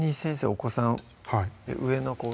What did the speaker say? お子さん上の子が？